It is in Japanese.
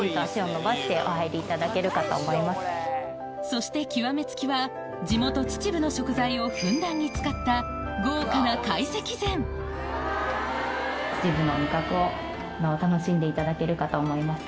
そして極め付きは地元秩父の食材をふんだんに使った豪華な会席膳秩父の味覚を楽しんでいただけるかと思います。